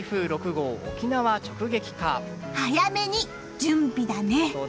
早めに準備だね！